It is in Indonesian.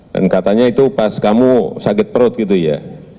dan katanya itu pas kamu sakit perut gitu ya